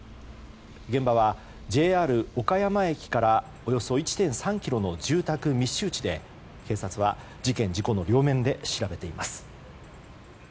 現場はＪＲ岡山駅からおよそ１．３ｋｍの住宅密集地で警察は事件事故の両面で調べています。